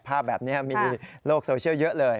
ภาพแบบนี้มีโลกโซเชียลเยอะเลย